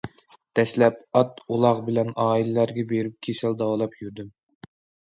دەسلەپ ئات- ئۇلاغ بىلەن ئائىلىلەرگە بېرىپ كېسەل داۋالاپ يۈردۈم.